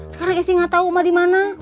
sekarang esy gak tau emak dimana